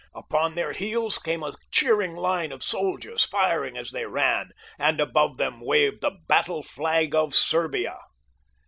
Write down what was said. Upon their heads came a cheering line of soldiers firing as they ran, and above them waved the battleflag of Serbia.